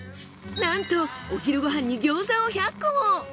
なんとお昼ご飯に餃子を１００個も！